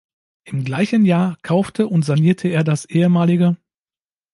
Im gleichen Jahr kaufte und sanierte er das ehem.